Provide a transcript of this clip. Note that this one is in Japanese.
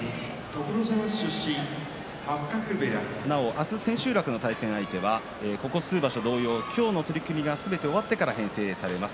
明日、千秋楽の対戦相手はここ数場所同様今日の取組がすべて終わってから編成されます。